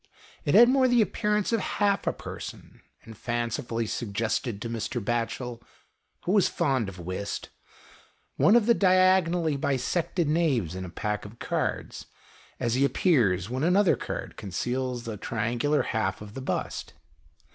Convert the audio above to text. It had more the appearance of half a person, and fancifully suggested to Mr. Batchel, who was fond of whist, one of the diagonally bisected knaves in a pack of cards, as he appears when another card conceals a triangular half of the bust.